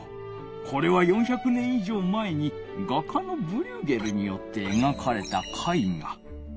これは４００年いじょう前に画家のブリューゲルによってえがかれた絵画。